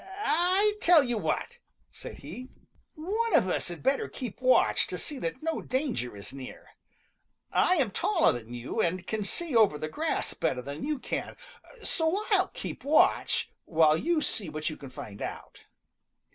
"I tell you what," said he "one of us had better keep watch to see that no danger is near. I am taller than you and can see over the grass better than you can, so I'll keep watch while you see what you can find out."